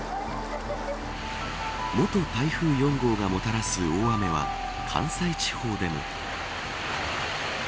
元台風４号がもたらす大雨は関西地方でも。